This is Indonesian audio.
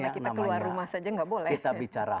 kita keluar rumah saja nggak boleh kita bicara